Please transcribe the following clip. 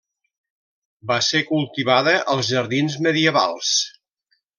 Va ser cultivada als jardins medievals.